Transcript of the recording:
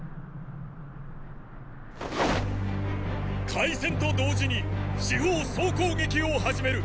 開戦と同時に四方総攻撃を始める！